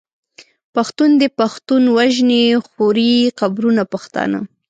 پښتون دی پښتون وژني خوري قبرونه پښتانه